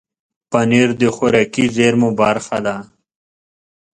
پنېر د خوراکي زېرمو برخه ده.